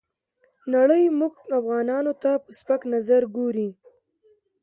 نړۍ موږ افغانانو ته په سپک نظر ګوري.